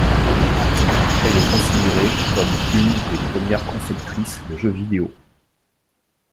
Elle est considérée comme une des premières conceptrices de jeux vidéo.